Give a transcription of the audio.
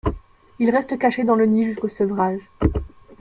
Ils restent cachés dans le nid jusqu'au sevrage.